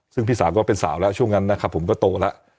ซึ่งพี่สาวก็เป็นสาวแล้วช่วงนั้นนะครับผมก็โตแล้ว